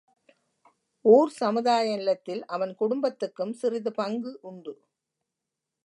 ஊர்ச் சமுதாய நிலத்தில் அவன் குடும்பத்துக்கும் சிறிது பங்கு உண்டு.